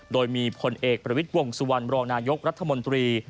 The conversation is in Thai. โดยมีพลเอกประวิทย์วงสุวรรณรองนายกรัฐมนตรี